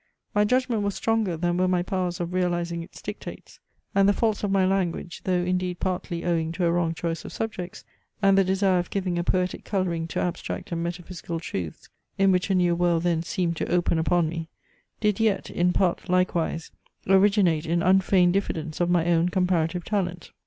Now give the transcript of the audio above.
My judgment was stronger than were my powers of realizing its dictates; and the faults of my language, though indeed partly owing to a wrong choice of subjects, and the desire of giving a poetic colouring to abstract and metaphysical truths, in which a new world then seemed to open upon me, did yet, in part likewise, originate in unfeigned diffidence of my own comparative talent.